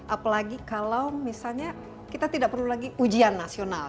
apalagi kalau misalnya kita tidak perlu lagi ujian nasional